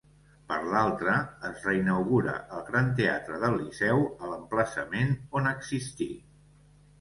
Per l'altra, es reinaugura el Gran Teatre del Liceu a l'emplaçament on existí.